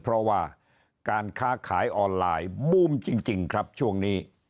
เพราะว่าการค้าขายออนไลน์บูมจริงครับช่วงนี้